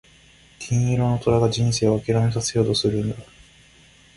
金色の虎が人生を諦めさせようとしてくるんだ。